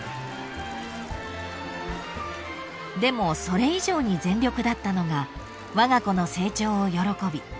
［でもそれ以上に全力だったのがわが子の成長を喜び